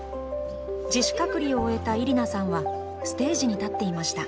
自主隔離を終えたイリナさんはステージに立っていました。